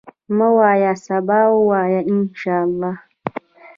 مه وایه سبا، وایه ان شاءالله.